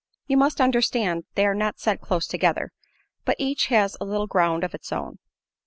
You must understand they are not set close together, but each has a little ground of its own.